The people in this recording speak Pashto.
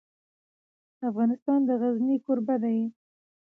افغانستان د غزني کوربه دی.